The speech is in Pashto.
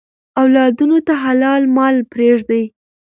اولادونو ته حلال مال پریږدئ.